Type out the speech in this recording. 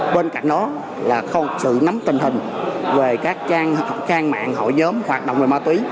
bên cạnh đó là sự nắm tình hình về các trang mạng hội nhóm hoạt động về ma túy